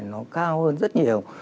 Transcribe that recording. nó cao hơn rất nhiều